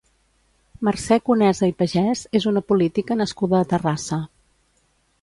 Mercè Conesa i Pagès és una política nascuda a Terrassa.